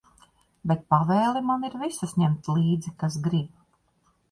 Bet pavēle man ir visus ņemt līdzi, kas grib.